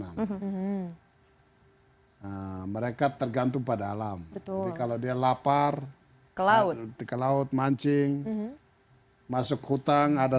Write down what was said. hai nah mereka tergantung pada alam betul kalau dia lapar ke laut ke laut mancing masuk hutang ada